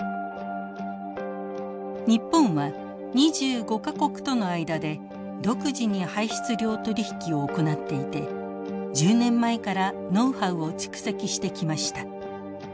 日本は２５か国との間で独自に排出量取引を行っていて１０年前からノウハウを蓄積してきました。